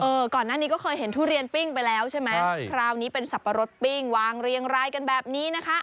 ก่อนหน้านี้ก็เคยเห็นทุเรียนปิ้งไปแล้วใช่ไหมใช่คราวนี้เป็นสับปะรดปิ้งวางเรียงรายกันแบบนี้นะคะ